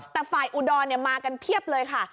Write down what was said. แต่ฝ่ายอุดรมากันเพียบเลยค่ะ